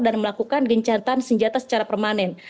dan melakukan gencatan senjata secara permanen